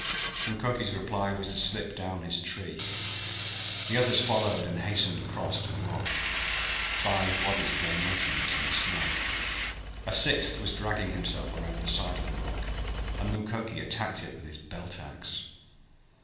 Mukoki's reply was to slip down his tree. The others followed, and hastened across to the rock. Five bodies lay motionless in the snow. A sixth was dragging himself around the side of the rock, and Mukoki attacked it with his belt ax.